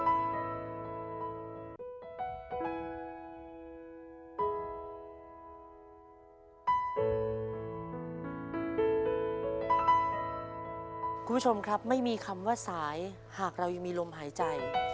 คุณผู้ชมครับไม่มีคำว่าสายหากเรายังมีลมหายใจ